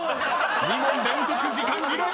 ［２問連続時間切れ！］